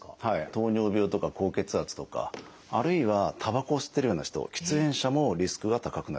糖尿病とか高血圧とかあるいはたばこを吸ってるような人喫煙者もリスクは高くなります。